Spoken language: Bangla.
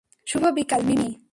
শুভ বিকাল, মিমি!